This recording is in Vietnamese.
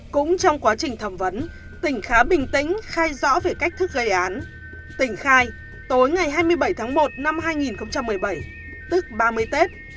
cũng trong quá trình thẩm vấn tỉnh khá bình tĩnh khai rõ về cách thức gây án tỉnh khai tối ngày hai mươi bảy tháng một năm hai nghìn một mươi bảy tức ba mươi tết